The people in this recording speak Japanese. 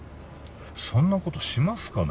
そんなことしますかね？